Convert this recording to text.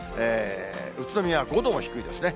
宇都宮、５度も低いですね。